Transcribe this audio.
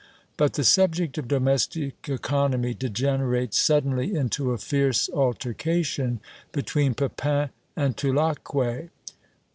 But the subject of domestic economy degenerates suddenly into a fierce altercation between Pepin and Tulacque.